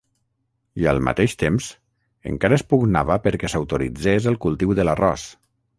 I al mateix temps, encara es pugnava perquè s'autoritzés el cultiu de l'arròs.